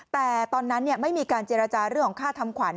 แต่ตอนนั้นไม่มีการเจรจาเรื่องของค่าทำขวัญ